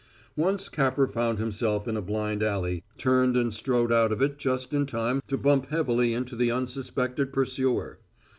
Once Capper found himself in a blind alley, turned and strode out of it just in time to bump heavily into the unsuspected pursuer.